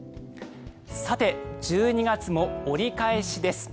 さて、１２月も折り返しです。